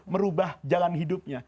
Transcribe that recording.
merubah jalan hidupnya